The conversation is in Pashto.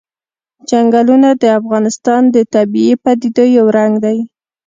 چنګلونه د افغانستان د طبیعي پدیدو یو رنګ دی.